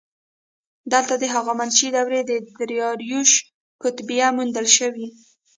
دلته د هخامنشي دورې د داریوش کتیبه موندل شوې